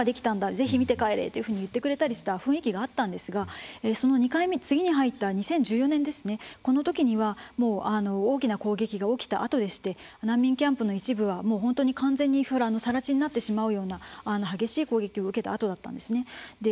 ぜひ見て帰れっていうふうに言ってくれた雰囲気があったんですが２回目、次に入った２０１４年にはもう大きな攻撃が起きたあとでして難民キャンプの一部は完全に更地になってしまうような激しい攻撃を受けたあとだったんですね。